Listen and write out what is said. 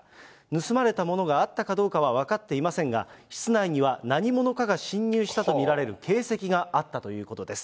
盗まれたものがあったかどうかは分かっていませんが、室内には何者かが侵入したと見られる形跡があったということです。